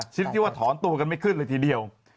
ที่ว่าถอนตัวกันไม่ขึ้นเลยทีเดียว